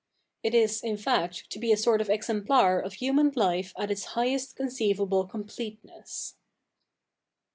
It is, in fact, to be a sort of exemplar of human life at its highest conceivable com pleteness.'